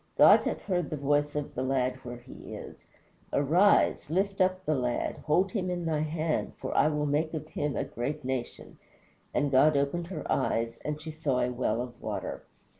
God hath heard the voice of the lad where he is. Arise, lift up the lad, hold him in thy hand, for I will make of him a great nation. And God opened her eyes, and she saw a well of water."